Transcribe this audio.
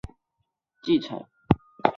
外交关系由捷克和斯洛伐克共同继承。